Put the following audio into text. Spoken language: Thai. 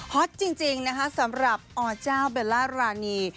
ฮอตจริงสำหรับอเจ้าเบลลารานี